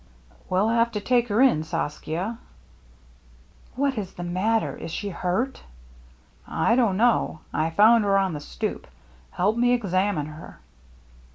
" We'll have to take her in, Saskia. " What is the matter ? Is she hurt ?"" I don't know. I found her on the stoop. Help me examine her."